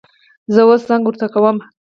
زه اوس زنګ ورته کوم